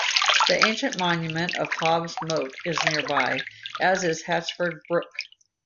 The ancient monument of Hob's Moat is nearby, as is Hatchford Brook.